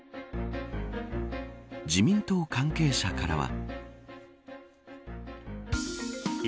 自民党関係者からは。